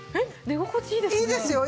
寝心地いいですね。